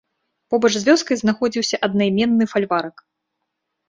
Побач з вёскай знаходзіўся аднайменны фальварак.